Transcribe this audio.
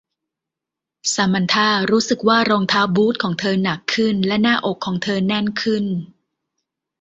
ซามานธารู้สึกว่ารองเท้าบูทของเธอหนักขึ้นและหน้าอกของเธอแน่นขึ้น